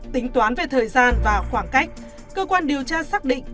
tính toán về thời gian và khoảng cách cơ quan điều tra xác định